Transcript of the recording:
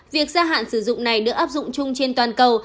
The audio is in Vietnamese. việc gia hạn sử dụng này được áp dụng chung trên toàn cầu